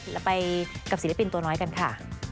เราไปกับศิลปินตัวน้อยกันค่ะ